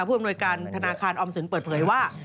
อำนวยการธนาคารออมสินเปิดเผยว่า